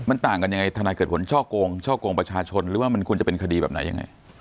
มันต่างกันยังไงทนายเกิดผลช่อโกงช่อกงประชาชนหรือว่ามันควรจะเป็นคดีแบบไหนยังไง